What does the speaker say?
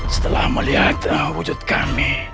setelah melihat wujud kami